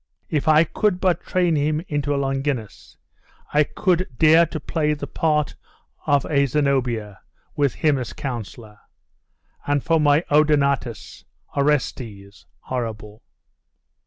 If I could but train him into a Longinus, I could dare to play the part of a Zenobia, with him as counseller.... And for my Odenatus Orestes? Horrible!